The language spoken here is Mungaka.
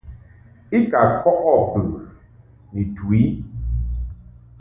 I ka kɔʼɨ bɨ ni tu i.